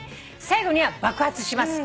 最後には爆発します」